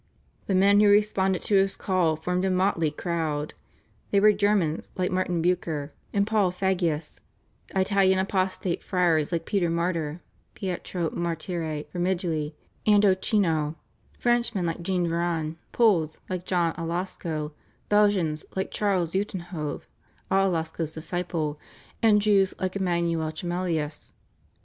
The men who responded to his call formed a motley crowd. They were Germans like Martin Bucer and Paul Fagius, Italian apostate friars like Peter Martyr (Pietro Martire Vermigli) and Ochino, Frenchmen like Jean Véron, Poles like John à Lasco, Belgians like Charles Utenhove, à Lasco's disciple, and Jews like Emmanuel Tremellius.